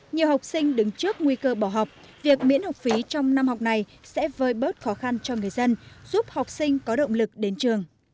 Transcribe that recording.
nhiều học sinh đứng trước nguy cơ bỏ học việc miễn học phí trong năm học này sẽ vơi bớt khó khăn cho người dân giúp học sinh có động lực đến trường